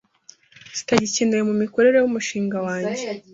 zitagikenewe mu mikorere y’umu shinga wanjye